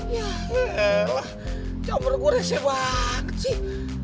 ya allah jangan bergurau gurau banget sih